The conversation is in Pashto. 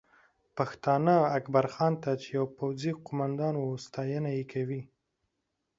پښتانه اکبرخان ته چې یو پوځي قومندان و، ستاینه کوي